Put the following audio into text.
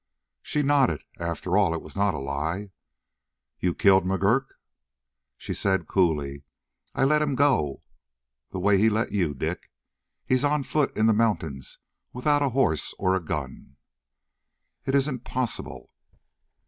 She nodded. After all, it was not a lie. "You killed McGurk?" She said coolly: "I let him go the way he let you, Dick. He's on foot in the mountains without a horse or a gun." "It isn't possible!"